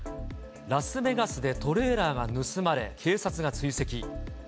ラスベガスでトレーラーが盗まれ、警察が追跡。